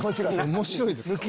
面白いですか？